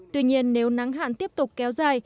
tuy nhiên nếu nắng hạn tiếp tục kéo dài